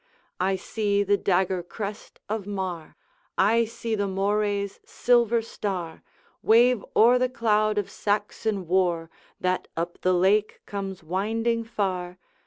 I see the dagger crest of Mar, I see the Moray's silver star, Wave o'er the cloud of Saxon war, That up the lake comes winding far!